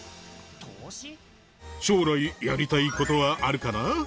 将来やりたいことはあるかな？